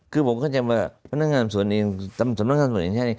คือผมก็คิดว่าพนักงานส่วนเองพนักงานส่วนเองใช่หรือไม่ใช่